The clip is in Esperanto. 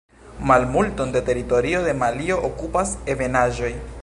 Plimulton de teritorio de Malio okupas ebenaĵoj.